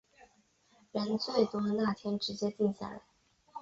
人最多那天直接定下来